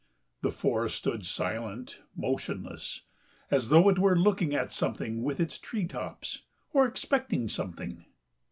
The forest stood silent, motionless, as though it were looking at something with its tree tops or expecting something.